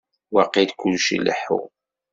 Waqil kullec ileḥḥu.